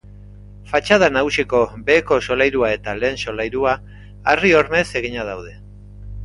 Fatxada nagusiko beheko solairua eta lehen solairua harri-hormez eginak daude.